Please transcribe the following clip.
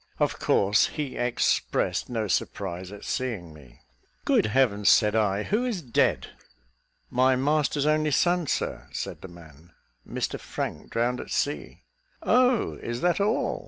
Of course he expressed no surprise at seeing me. "Good Heavens!" said I, "who is dead?" "My master's only son, Sir," said the man, "Mr Frank, drowned at sea." "Oh! is that all?"